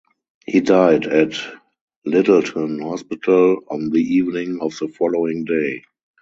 He died at Lyttelton hospital on the evening of the following day.